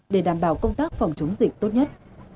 để đảm bảo công tác phòng chống dịch tốt nhất